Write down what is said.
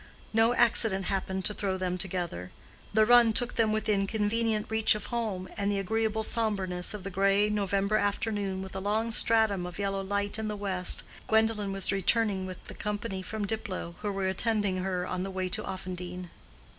No accident happened to throw them together; the run took them within convenient reach of home, and the agreeable sombreness of the gray November afternoon, with a long stratum of yellow light in the west, Gwendolen was returning with the company from Diplow, who were attending her on the way to Offendene.